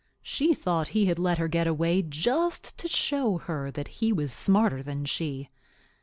She thought he had let her get away just to show her that he was smarter than she.